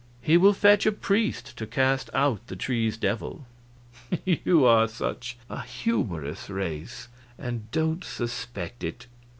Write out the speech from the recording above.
"He will fetch a priest to cast out the tree's devil. You are such a humorous race and don't suspect it."